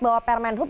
bahwa permen hub